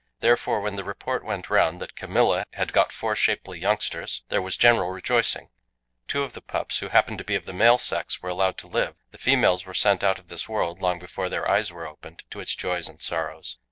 Therefore, when the report went round that "Camilla" had got four shapely youngsters, there was general rejoicing. Two of the pups, who happened to be of the male sex, were allowed to live; the females were sent out of this world long before their eyes were opened to its joys and sorrows.